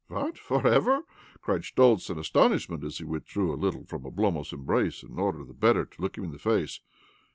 "What? For ever?" cried Schtoltz in astonishment as he withdrew a little from Oblompv's embrace in order the better to look him in the face.